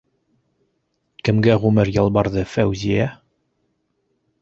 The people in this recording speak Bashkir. Кемгә ғүмер ялбарҙы Фәүзиә?